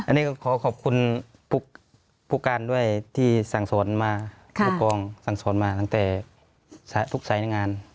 อันนี้ก็ขอขอบคุณผู้การด้วยที่สั่งสอนมาผู้กองสั่งสอนมาตั้งแต่ทุกสายในงาน